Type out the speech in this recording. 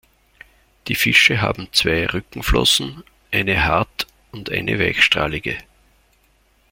Die Fische haben zwei Rückenflossen, eine hart- und eine weichstrahlige.